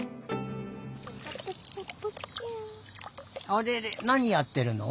あれれなにやってるの？